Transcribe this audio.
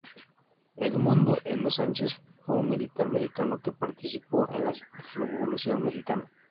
Edmundo M. Sánchez fue un militar mexicano que participó en la Revolución mexicana.